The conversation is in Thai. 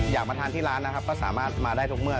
อยากมาทานที่ร้านนะครับก็สามารถมาได้ทุกเมื่อ